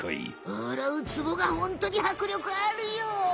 あらウツボがホントにはくりょくあるよ！